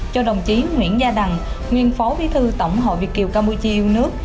cho đồng chí nguyễn gia đằng nguyên phó bí thư tổng hội việt kiều campuchia yêu nước